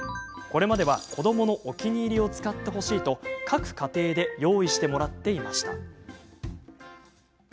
これまでは、子どものお気に入りを使ってほしいと各家庭で用意してもらっていました。